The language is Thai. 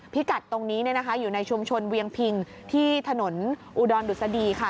กัดตรงนี้อยู่ในชุมชนเวียงพิงที่ถนนอุดรดุษฎีค่ะ